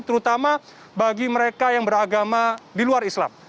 terutama bagi mereka yang beragama di luar islam